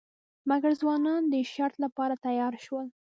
مګر ځوانان د شرط لپاره تیار شول.